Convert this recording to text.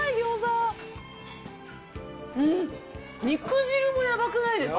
うん、肉汁もやばくないですか？